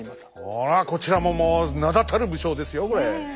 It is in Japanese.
ほらこちらももう名だたる武将ですよこれ。